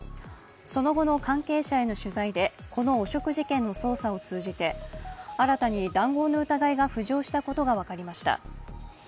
その後の関係者への取材で、この汚職事件の捜査を通じて、新たに談合の疑いが浮上したことが分かりました。